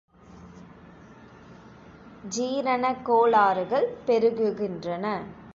ஜீரணக் கோளாறுகள் பெருகுகின்றன.